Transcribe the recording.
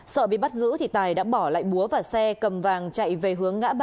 sợ bị bắt giữ thì tài đã bỏ lại búa và xe cầm vàng chạy về hướng ngã ba